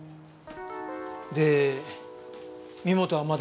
で身元はまだ？